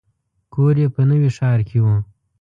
کور یې په نوي ښار کې و.